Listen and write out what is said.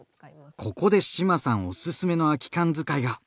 ここで志麻さんおすすめの空き缶使いが！